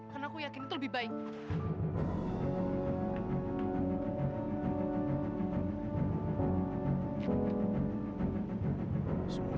karena aku yakin itu lebih baik